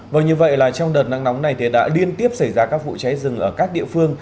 vâng như vậy là trong đợt nắng nóng này thì đã liên tiếp xảy ra các vụ cháy rừng ở các địa phương